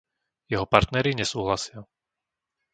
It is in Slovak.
Jeho partneri nesúhlasia.